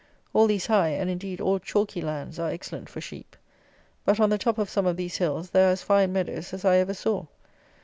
All these high, and indeed, all chalky lands, are excellent for sheep. But, on the top of some of these hills, there are as fine meadows as I ever saw.